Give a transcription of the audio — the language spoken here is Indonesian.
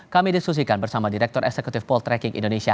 kami diskusikan bersama direktur eksekutif poltreking indonesia